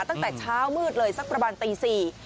ตั้งแต่เช้ามืดเลยสักประมาณตี๔